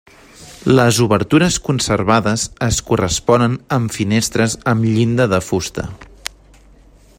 Les obertures conservades es corresponen amb finestres amb llinda de fusta.